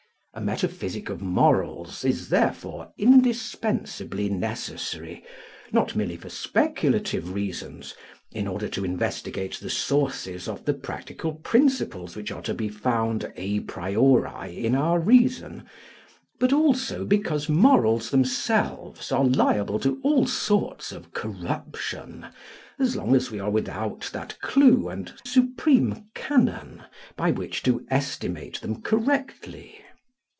A metaphysic of morals is therefore indispensably necessary, not merely for speculative reasons, in order to investigate the sources of the practical principles which are to be found a priori in our reason, but also because morals themselves are liable to all sorts of corruption, as long as we are without that clue and supreme canon by which to estimate them correctly.